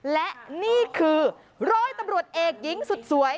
และนี่คือโรยตำรวจเอกยิ้งสุด